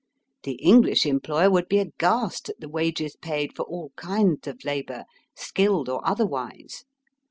The Enghsh employer would be aghast at the wages paid for all kinds of labour, skilled or otherwise.